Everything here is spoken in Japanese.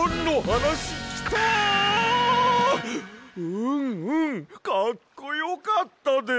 うんうんかっこよかったで！